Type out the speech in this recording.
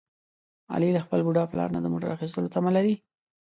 علي له خپل بوډا پلار نه د موټر اخیستلو تمه لري.